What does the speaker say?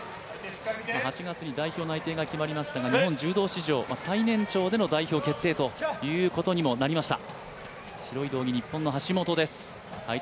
８月に代表内定が決まりまして柔道史上最年長で代表決定ということにもなりました。